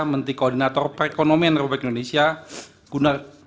menteri koordinator perekonomi republik indonesia